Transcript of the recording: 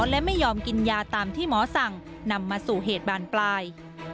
และไม่ยอมกินยาตามที่หมอสั่งนำมาสู่เหตุบานปลาย